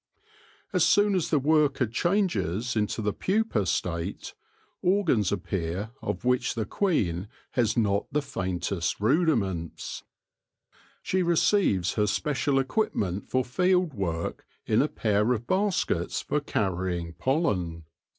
As soon as the worker changes into the pupa state, organs appear of which the queen has not the faintest rudiments. She receives THE SOVEREIGN WORKER BEE 91 her special equipment for field work in a pair of baskets for carrying pollen.